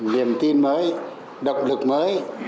niềm tin mới động lực mới